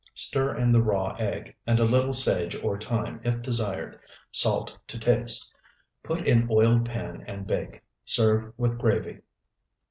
Stir in the raw egg, and a little sage or thyme if desired. Salt to taste. Put in oiled pan and bake. Serve with gravy.